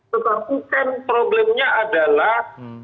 tetap bukan problemnya adalah